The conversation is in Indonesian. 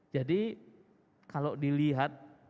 jadi kalau dilihat